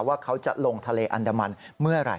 ว่าเขาจะลงทะเลอันดามันเมื่อไหร่